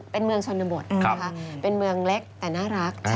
เป็นเมืองชนบทเป็นเมืองเล็กแต่น่ารัก